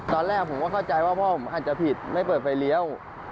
ตอนแรกผมก็เข้าใจว่าพ่อผมอาจจะผิดไม่เปิดไฟเลี้ยว